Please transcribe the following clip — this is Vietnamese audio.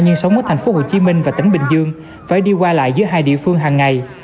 nhưng sống ở thành phố hồ chí minh và tỉnh bình dương phải đi qua lại giữa hai địa phương hàng ngày